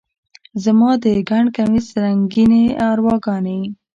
زما د ګنډ کمیس رنګینې ارواګانې،